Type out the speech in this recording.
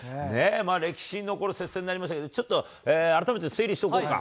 歴史に残る接戦になりましたけど、ちょっと、改めて整理しておこうか。